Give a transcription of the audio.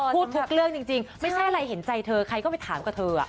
พูดทุกเรื่องจริงไม่ใช่อะไรเห็นใจเธอใครก็ไปถามกับเธอ